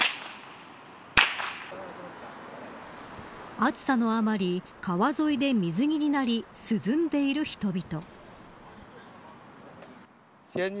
暑さのあまり川沿いで水着になり涼んでいる人々。